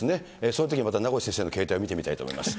そのときはまた名越先生の携帯を見てみたいと思います。